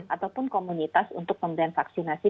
ataupun komunitas untuk pemberian vaksinasi